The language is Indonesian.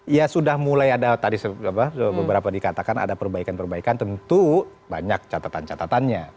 ya sudah mulai ada tadi beberapa dikatakan ada perbaikan perbaikan tentu banyak catatan catatannya